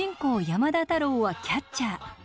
山田太郎はキャッチャー。